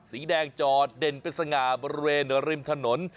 สีแดงจอดเด่นเป็นสง่าบริเวณริมถนน